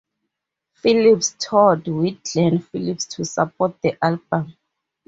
Phillips toured with Glen Phillips to support the album.